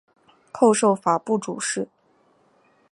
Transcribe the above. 后授法部主事。